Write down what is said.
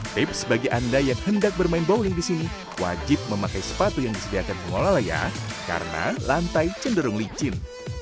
tips bagi anda yang hendak bermain bowling di sini wajib memakai sepatu yang disediakan pengelola layar karena lantai cenderung licin